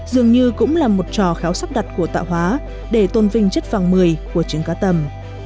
dường như cũng là một trò khéo sắp đặt của tạo hóa để tôn vinh chất vàng mười của trứng cá tầm